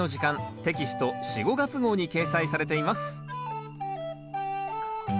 テキスト４・５月号に掲載されています